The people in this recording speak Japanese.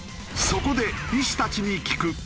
そこで医師たちに聞く！